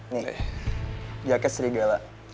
nih jaket serigala